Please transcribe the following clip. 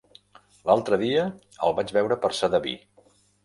L'altre dia el vaig veure per Sedaví.